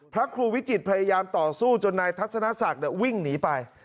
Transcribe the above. พระครูวิจิตพยายามต่อสู้จนนายทัศนศักดิ์วิ่งหนีไป